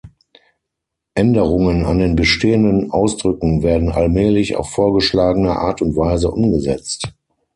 Änderungen an den bestehenden Ausdrücken werden allmählich auf vorgeschlagene Art und Weise umgesetzt.